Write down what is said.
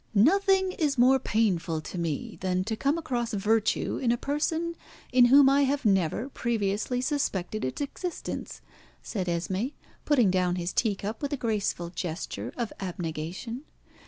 "Nothing is more painful to me than to come across virtue in a person in whom I have never previously suspected its existence," said Esmé, putting down his tea cup with a graceful gesture of abnegation.